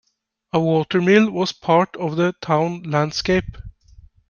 A water mill was a part of the town landscape.